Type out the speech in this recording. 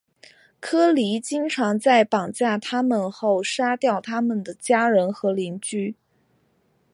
科尼经常在绑架他们后杀掉他们的家人和邻居。